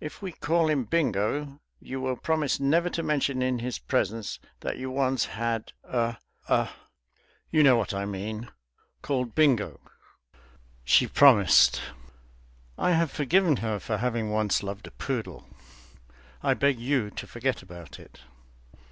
If we call him Bingo, will you promise never to mention in his presence that you once had a a you know what I mean called Bingo?" She promised. I have forgiven her for having once loved a poodle. I beg you to forget about it.